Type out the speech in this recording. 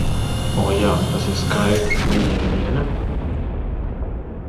O, jā, tas ir skaisti Viņa ir viena?